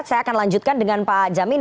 saya akan lanjutkan dengan pak jamin